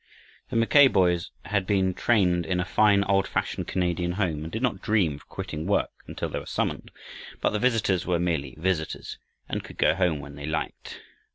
The Mackay boys had been trained in a fine old fashioned Canadian home, and did not dream of quitting work until they were summoned. But the visitors were merely visitors, and could go home when they liked.